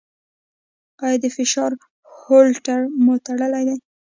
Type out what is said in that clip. ایا د فشار هولټر مو تړلی دی؟